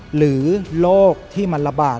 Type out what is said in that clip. หรือโรคที่มันระบาด